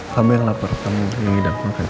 kamu yang lapar kamu yang ngidam makan